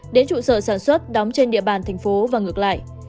đến trụ sở sản xuất đóng trên địa bàn thành phố và ngược lại